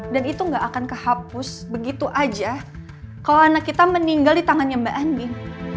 dan itu gak akan kehapus begitu aja kalau anak kita meninggal di tangannya mbak andin